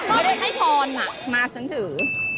พ่อไม่ได้ให้ทอนอะมาฉันถือ